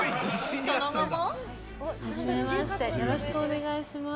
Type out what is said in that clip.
その後も。